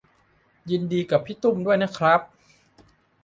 ยินดีกับพี่ตุ้มด้วยครับ